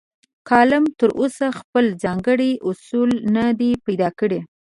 کالم تراوسه خپل ځانګړي اصول نه دي پیدا کړي.